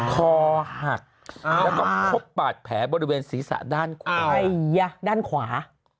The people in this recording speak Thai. ฮอหักและควบปากแผลบริเวณศีรษะด้านขวา